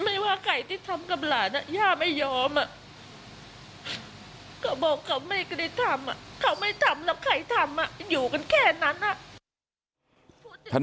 ไม่ยอมอ่ะก็บอกเขาไม่กลิ่นทำอ่ะเขาไม่ทำแล้วใครทำอ่ะอยู่กันแค่นั้นอ่ะ